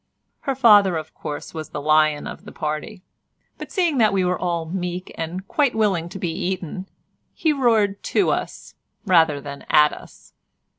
Her father, of course, was the lion of the party, but seeing that we were all meek and quite willing to be eaten, he roared to us rather than at us.